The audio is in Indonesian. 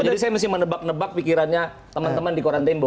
saya mesti menebak nebak pikirannya teman teman di koran tempo